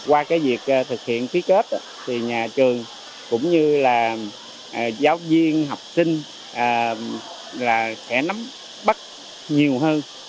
qua việc thực hiện phí kết nhà trường cũng như giáo viên học sinh sẽ nắm bắt nhiều hơn